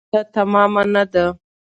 لامو د ژوند کیسه تمامه نه ده